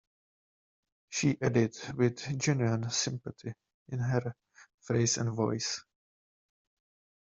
She added, with genuine sympathy in her face and voice.